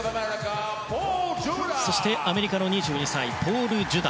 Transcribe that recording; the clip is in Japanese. そして、アメリカの２２歳ポール・ジュダ。